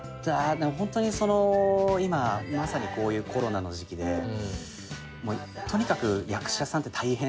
でもホントにその今まさにこういうコロナの時期でもうとにかく役者さんって大変じゃないですか。